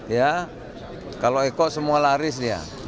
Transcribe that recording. ya kalau eko semua laris dia